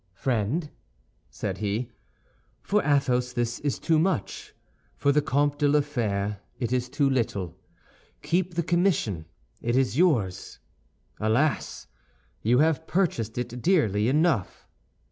"Friend," said he, "for Athos this is too much; for the Comte de la Fère it is too little. Keep the commission; it is yours. Alas! you have purchased it dearly enough."